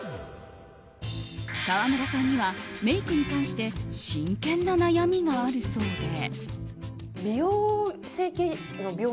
川村さんには、メイクに関して真剣な悩みがあるそうで。